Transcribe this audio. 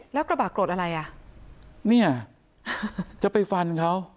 แล้วกระบะโกรธอะไรอ่ะเนี่ยจะไปฟันเขา